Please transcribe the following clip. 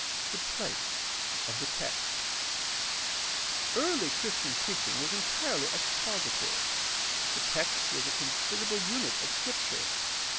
The place of the text. — ^Early Christian preaching was entirely expository. The text was a considerable unit of Scripture.